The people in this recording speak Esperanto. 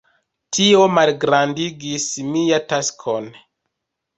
Tio malgrandigis mia taskon.